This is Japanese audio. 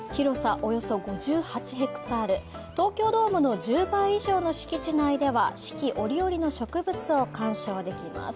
およそ５８ヘクタール、東京ドームの１０倍以上の敷地内では四季折々の植物を鑑賞できます。